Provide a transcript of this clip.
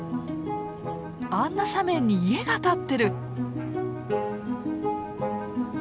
あんな斜面に家が建ってる！